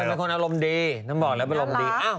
น่าจะมีคนอารมณ์ดีน้ำบอกแล้วอารมณ์ดี